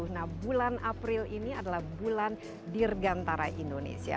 nah bulan april ini adalah bulan dirgantara indonesia